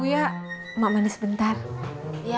saya kristenana ya